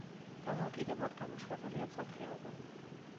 დამოუკიდებლად გამოშვებული აქვს ოთხი ალბომი.